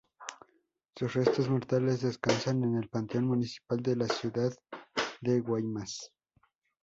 Sus restos mortales descansan en el panteón municipal, en la ciudad de Guaymas.